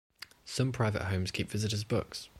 Some private homes keep visitors' books.